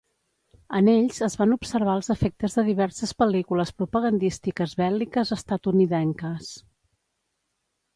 En ells, es van observar els efectes de diverses pel·lícules propagandístiques bèl·liques estatunidenques.